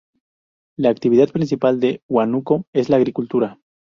La actividad principal de Huánuco es la agricultura.